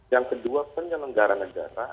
yang kedua penyelenggaran negara